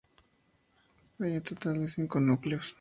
Hay un total de cinco núcleos.